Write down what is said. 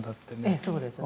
ええそうですね。